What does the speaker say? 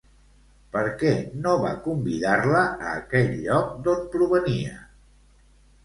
Per què no va convidar-la a aquell lloc d'on provenia?